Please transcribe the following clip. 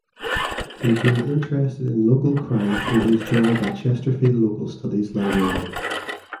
He grew interested in local crime through his job at Chesterfield Local Studies Library.